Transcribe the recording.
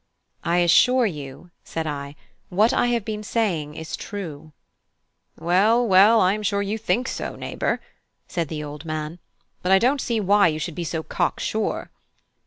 "I assure you," said I, "what I have been saying is true." "Well, well, I am sure you think so, neighbour," said the old man, "but I don't see why you should be so cocksure."